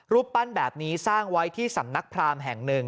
รูปปั้นแบบนี้สร้างไว้ที่สำนักพรามแห่งหนึ่ง